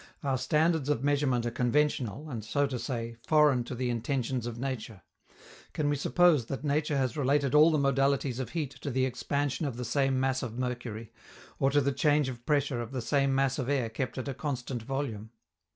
Our standards of measurement are conventional, and, so to say, foreign to the intentions of nature: can we suppose that nature has related all the modalities of heat to the expansion of the same mass of mercury, or to the change of pressure of the same mass of air kept at a constant volume?